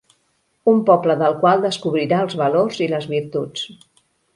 Un poble del qual descobrirà els valors i les virtuts.